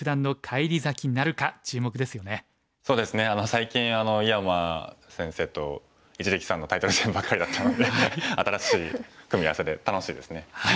最近井山先生と一力さんのタイトル戦ばっかりだったので新しい組み合わせで楽しいですね。